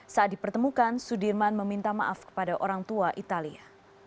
saat dipertemukan sudirman meminta maaf kepada orang tua italia